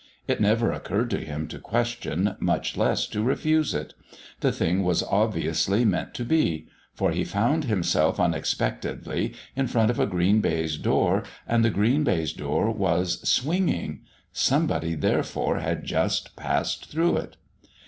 It never occurred to him to question, much less to refuse it. The thing was obviously meant to be. For he found himself unexpectedly in front of a green baize door; and the green baize door was swinging! Somebody, therefore, had just passed through it.